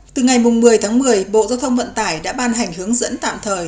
từ ngày một mươi tháng một mươi bộ giao thông vận tải đã ban hành hướng dẫn tạm thời